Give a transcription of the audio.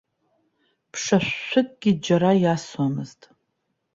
Ԥшашәшәыкгьы џьара иасуамызт.